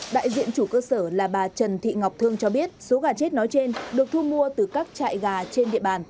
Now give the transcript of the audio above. đại diện chủ cơ sở là bà trần thị ngọc thương cho biết số gà chết nói trên được thu mua từ các trại gà trên địa bàn